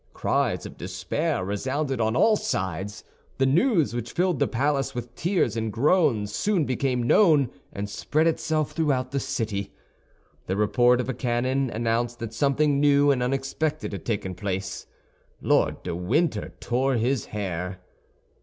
Cries of despair resounded on all sides. The news, which filled the palace with tears and groans, soon became known, and spread itself throughout the city. The report of a cannon announced that something new and unexpected had taken place. Lord de Winter tore his hair.